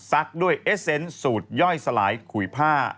ด้วยเอสเซนต์สูตรย่อยสลายขุยผ้า